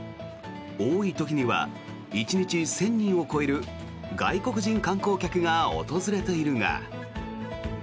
多い時には１日１０００人を超える外国人観光客が訪れているが。